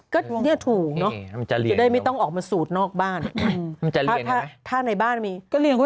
ก็นี่ถูกเนอะอย่าได้ไม่ต้องออกมาสูตรนอกบ้านถ้าในบ้านมีมันจะเรียนไง